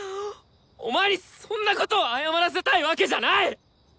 お前にそんなことを謝らせたいわけじゃない！